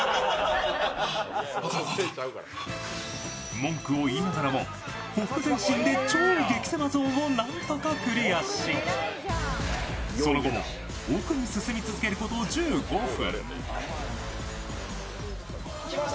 文句を言いながらもほふく前進で超激狭ゾーンを何とかクリアし、その後も奥に進み続けること１５分。